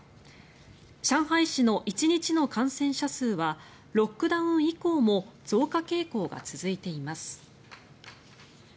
上海市の１日の感染者数はロックダウン以降も増加傾向が続いています。